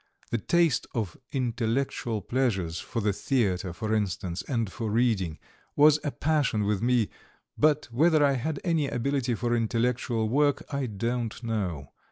The taste for intellectual pleasures for the theatre, for instance, and for reading was a passion with me, but whether I had any ability for intellectual work I don't know.